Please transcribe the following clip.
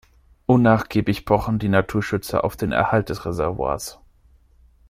Unnachgiebig pochen die Naturschützer auf den Erhalt des Reservoirs.